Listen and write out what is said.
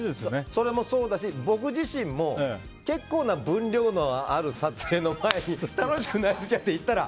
それもそうだし僕自身も、結構な分量のある撮影の前に楽しくなりすぎちゃって行ったら